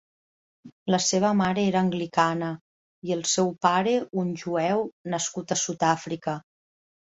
La seva mare era anglicana i el seu pare un jueu, nascut a Sud-àfrica.